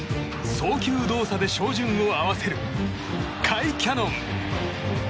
送球動作で照準を合わせる甲斐キャノン。